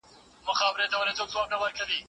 هر څېړونکی باید خپله ساحه وپېژني.